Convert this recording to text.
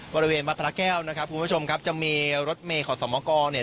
บริเวณบรรพาแก้วนะครับคุณผู้ชมครับจะมีรถเมฆของสำวะกอลเนี่ย